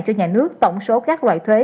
cho nhà nước tổng số các loại thuế